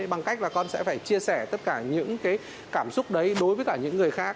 bằng cách là con sẽ phải chia sẻ tất cả những cái cảm xúc đấy đối với cả những người khác